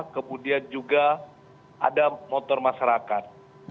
kemudian juga ada motor masyarakat